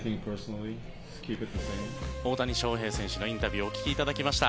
大谷翔平選手のインタビューをお聞きいただきました。